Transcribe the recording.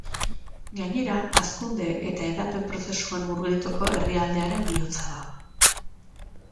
Gainera, hazkunde eta hedapen prozesuan murgildutako herrialdearen bihotza da.